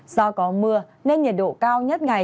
do có mưa nên nhiệt độ cao nhất ngày